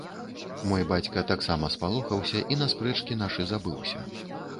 Мой бацька таксама спалохаўся, і на спрэчкі нашы забыўся.